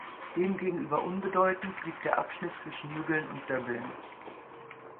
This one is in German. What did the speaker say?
Demgegenüber unbedeutend blieb der Abschnitt zwischen Mügeln und Döbeln.